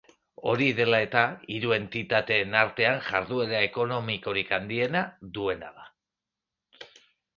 Hori dela-eta, hiru entitateen artean jarduera ekonomikorik handiena duena da.